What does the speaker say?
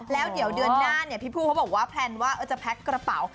แล้วก็เดือนหน้าเนี่ยพี่ผู้เขาบอกว่าแพลนว่าเอาจะแพ็คกระเป๋า